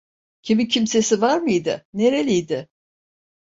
Kimi kimsesi var mıydı? Nereliydi?